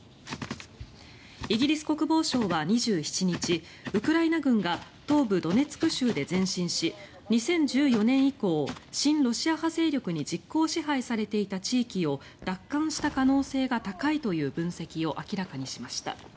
イギリス国防省は２７日ウクライナ軍が東部ドネツク州で前進し２０１４年以降親ロシア派勢力に実効支配されていた地域を奪還した可能性が高いという分析を明らかにしました。